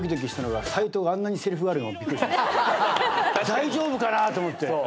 大丈夫かな？と思って。